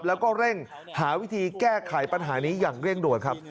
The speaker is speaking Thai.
แล้วก็เร่งหาวิธีแก้ไขปัญหานี้อย่างเร่งด่วนครับ